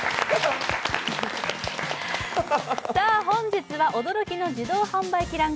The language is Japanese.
本日は驚きの自動販売機